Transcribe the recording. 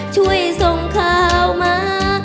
ช่วยส่งข่าวมา